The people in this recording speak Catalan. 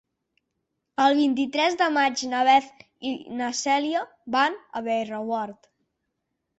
El vint-i-tres de maig na Beth i na Cèlia van a Bellreguard.